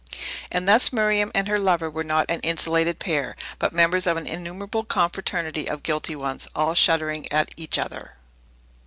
And thus Miriam and her lover were not an insulated pair, but members of an innumerable confraternity of guilty ones, all shuddering at each other.